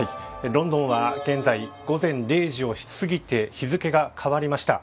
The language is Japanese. ロンドンは現在午前０時を過ぎて日付が変わりました。